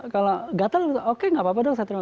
kalau gatel oke gak apa apa dong